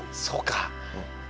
そうか。